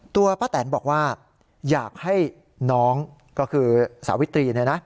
ป้าแตนบอกว่าอยากให้น้องก็คือสาวิตรีเนี่ยนะ